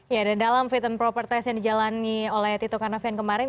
ya dan dalam fit and proper test yang dijalani oleh tito karnavian kemarin